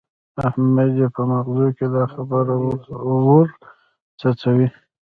احمد يې په مغزو کې دا خبره ور څڅوي.